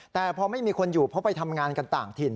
แต่พอไม่มีคนอยู่เพราะไปทำงานกันต่างถิ่น